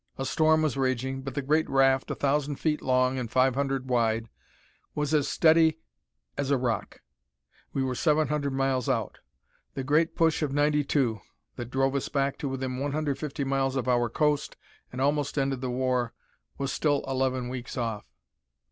A storm was raging, but the great raft, a thousand feet long, and five hundred wide, was as steady as a rock. We were 700 miles out; the great push of '92, that drove us back to within 150 miles of our coast and almost ended the war, was still eleven weeks off.